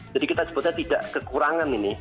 jadi kita sebutnya tidak kekurangan ini